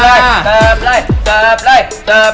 อันนี้เป็นเมนูล็อบสเตอร์อบชีสนะคะราคา๙๐๐บาทนะคะ